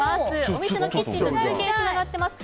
お店のキッチンと中継がつながっています。